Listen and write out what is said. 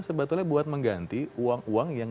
sebetulnya buat mengganti uang uang yang